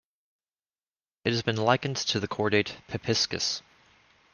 It has been likened to the chordate "Pipiscus".